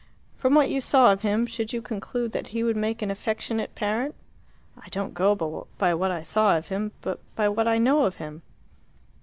"From what you saw of him, should you conclude that he would make an affectionate parent?" "I don't go by what I saw of him, but by what I know of him."